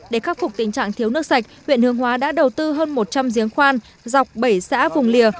để khắc phục tình trạng thiếu nước sạch huyện hương hóa đã đầu tư hơn một trăm linh giếng khoan dọc bảy xã vùng lìa